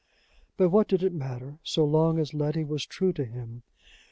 But what did it matter, so long as Letty was true to him?